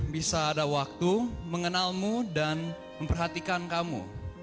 bisa ada waktu mengenalmu dan memperhatikan kamu